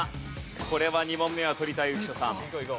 これは２問目は取りたい浮所さん。